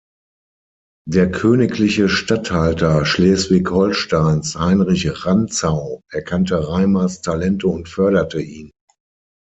Der königliche Statthalter Schleswig-Holsteins Heinrich Rantzau erkannte Reimers' Talente und förderte ihn.